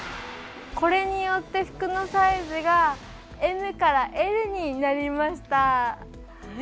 これによって服のサイズがＭからＬになりました。